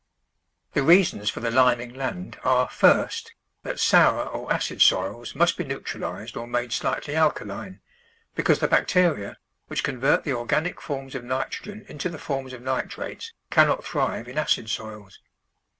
The reasons for the liming land are: First, that sour or acid soils must be neutralised or made slightly alkaline, because the bacteria which con vert the organic forms of nitrogen into the forms of nitrates cannot thrive in acid soils.